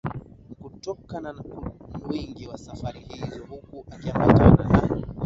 kutoka na wingi wa safari hizo huku akiambatana na